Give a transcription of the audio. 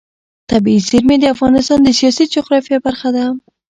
طبیعي زیرمې د افغانستان د سیاسي جغرافیه برخه ده.